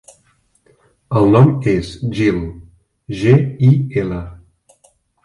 El nom és Gil: ge, i, ela.